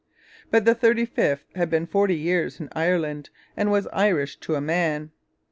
But the 35th had been forty years in Ireland, and was Irish to a man.